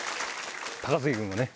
高杉君もね。